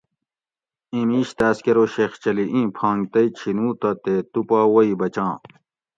ایں میش تاۤس کہ ارو شیخ چلی ایں پھانگ تئ چھینو تہ تے تو پا وُئ بچاں